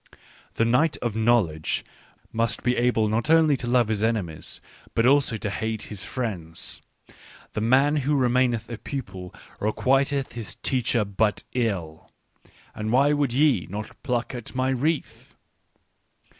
" The knight of knowledge must be able not only to love his enemies, but also to hate his friends. " The man who remaineth a pupil requiteth his teacher but ill. And why would ye not pluck at my wreath?